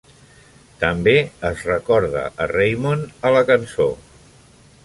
També es recorda a Raymond a la cançó.